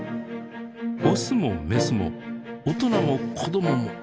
オスもメスも大人も子供も。